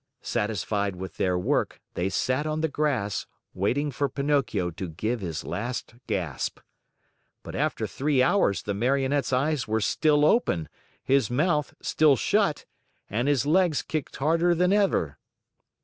Satisfied with their work, they sat on the grass waiting for Pinocchio to give his last gasp. But after three hours the Marionette's eyes were still open, his mouth still shut and his legs kicked harder than ever.